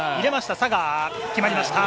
サガー、決まりました。